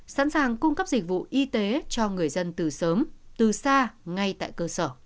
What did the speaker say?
sẵn sàng cung cấp dịch vụ y tế cho người dân từ sớm từ xa ngay tại cơ sở